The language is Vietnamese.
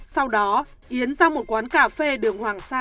sau đó yến ra một quán cà phê đường hoàng sa